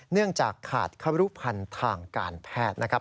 เนื่องจากขาดครุพันธ์ทางการแพทย์นะครับ